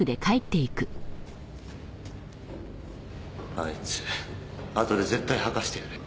あいつ後で絶対吐かせてやる。